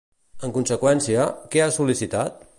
En conseqüència, què ha sol·licitat?